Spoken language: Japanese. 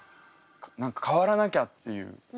何か変わらなきゃっていう。